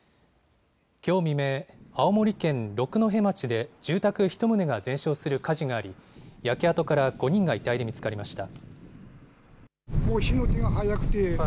きょう未明、青森県六戸町で住宅１棟が全焼する火事があり焼け跡から５人が遺体で見つかりました。